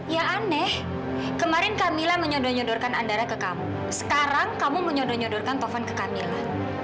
ya aneh kemarin kamila menyodoh nyodorkan andara ke kamu sekarang kamu menyodoh nyodorkan taufan ke kamila